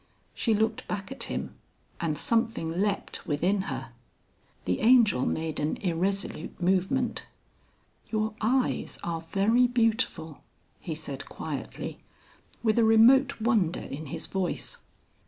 She looked back at him and something leapt within her. The Angel made an irresolute movement. "Your eyes are very beautiful," he said quietly, with a remote wonder in his voice.